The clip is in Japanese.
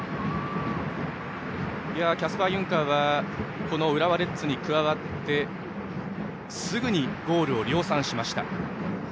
キャスパー・ユンカーはこの浦和レッズに加わってすぐにゴールを量産しました。